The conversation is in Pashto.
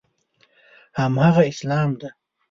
هماغه اسلام دی.